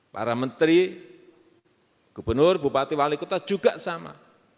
para menteri gubernur bupati wali kota juga sama